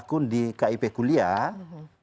dan maka setelah perilaku rachel